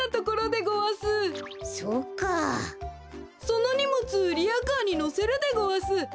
そのにもつリアカーにのせるでごわす。